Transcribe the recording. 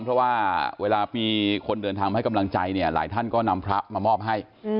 เพราะว่าเวลามีคนเดินทางมาให้กำลังใจเนี่ยหลายท่านก็นำพระมามอบให้